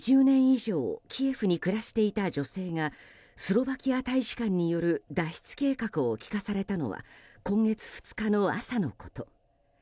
２０年以上キエフに暮らしていた女性がスロバキア大使館による脱出計画を聞かされたのは今月２日の朝のこと。